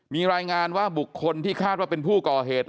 มีรายงานว่าบุคคลที่คาดว่าเป็นผู้ก่อเหตุ